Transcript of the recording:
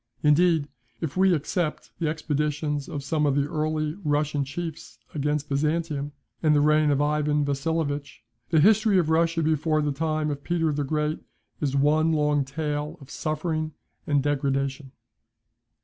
Indeed, if we except the expeditions of some of the early Russian chiefs against Byzantium, and the reign of Ivan Vasilovitch, the history of Russia before the time of Peter the Great is one long tale of suffering and degradation.